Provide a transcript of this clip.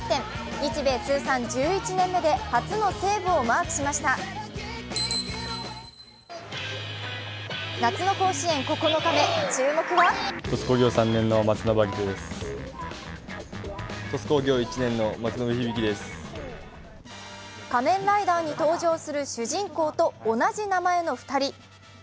日米通算１１年目で初のセーブをマークしました夏の甲子園９日目、注目は「仮面ライダー」に登場する主人公と同じ名前の２人。